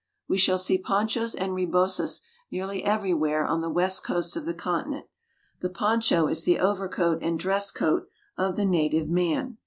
We shall see ponchos and rebosas nearly everywhere on the west coast of the continent. The poncho is the over coat and dress coat of the native man.